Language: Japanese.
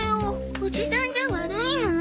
おじさんじゃ悪いの？